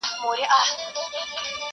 ای د اسلام لباس کي پټ یهوده.